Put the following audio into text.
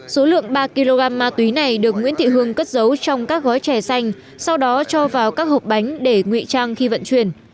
số lượng ba kg ma túy này được nguyễn thị hương cất giấu trong các gói chè xanh sau đó cho vào các hộp bánh để ngụy trang khi vận chuyển